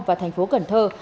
và thành phố cần thơ